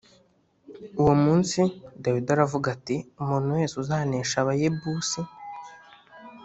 Uwo munsi Dawidi aravuga ati “Umuntu wese uzanesha Abayebusi